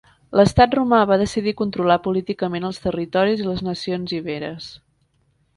L'estat romà va decidir controlar políticament els territoris de les nacions iberes.